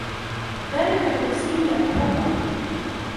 ذاك كرسيي المفضل.